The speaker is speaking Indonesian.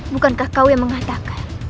bukankah kau yang mengatakan